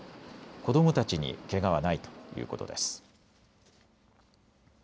子どもたちにけがはないということです。